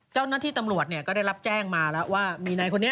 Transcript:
เจ้าหน้าที่ตำรวจก็ได้รับแจ้งมาแล้วว่ามีนายคนนี้